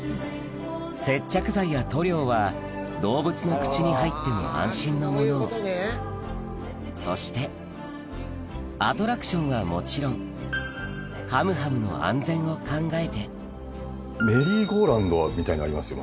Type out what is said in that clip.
接着剤や塗料は動物の口に入っても安心なものをそしてアトラクションはもちろんはむはむの安全を考えてメリーゴーラウンドみたいのありますよ